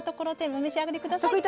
お召し上がり下さい。